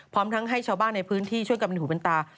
พร้อมทั้งให้ชาวบ้านในพื้นที่ช่วยกันเป็นหูเป็นตา